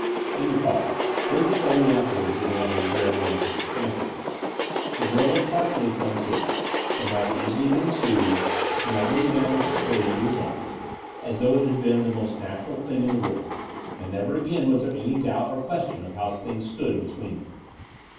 XV In the car, Burgess told me afterwards in one of his rare moments of expansiveness, the girl had partially come to, but had easily been soothed, snuggling down happily into his arms, as though it had been the most natural thing in the world: and never again was there any doubt or question of how things stood between them.